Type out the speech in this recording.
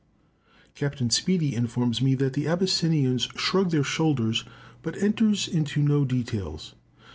Capt. Speedy informs me that the Abyssinians shrug their shoulders but enters into no details.